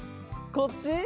こっち？